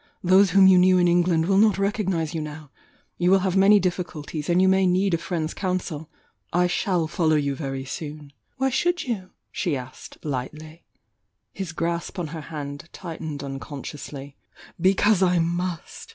Those whom you knew in Eng land will not recognise you now,— you wUl have many diflBculties, and you may need a friend's coun sel— I shall follow you very soon!" "Why should you?" she asked, lightly. His grasp on her hand tightened unconsciously. "Because I must!"